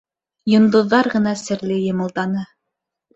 Йондоҙҙар ғына серле йымылданы...